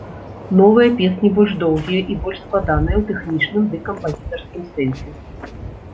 Новыя песні больш доўгія і больш складаныя ў тэхнічным ды кампазітарскім сэнсе.